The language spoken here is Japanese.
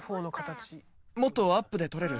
もっとアップで撮れる？